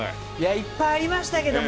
いっぱいありましたけれども